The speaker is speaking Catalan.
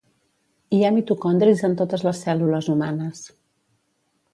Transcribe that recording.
Hi ha mitocondris en totes les cèl·lules humanes.